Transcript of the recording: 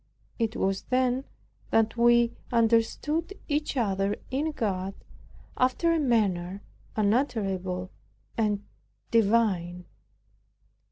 It was then that we understood each other in God, after a manner unutterable and divine.